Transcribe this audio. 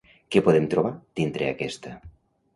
Què podem trobar dintre aquesta?